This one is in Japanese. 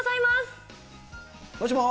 もしもし。